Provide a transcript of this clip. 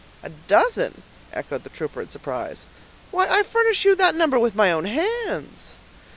"A dozen!" echoed the trooper, in surprise. "Why, I furnish you that number with my own hands."